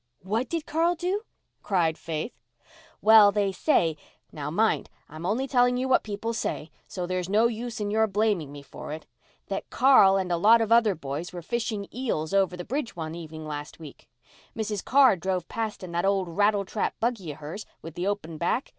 "What did Carl do?" cried Faith. "Well, they say—now, mind, I'm only telling you what people say—so there's no use in your blaming me for it—that Carl and a lot of other boys were fishing eels over the bridge one evening last week. Mrs. Carr drove past in that old rattletrap buggy of hers with the open back.